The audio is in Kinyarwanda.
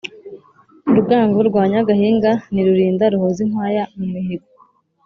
Rugango rwa Nyagahinga ni Rurinda ruhoza inkwaya mu mihigo